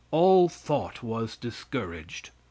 All thought was discouraged.